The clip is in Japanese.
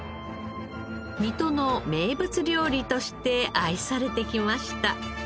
水戸の名物料理として愛されてきました。